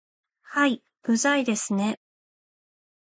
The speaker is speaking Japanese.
はい、うざいですね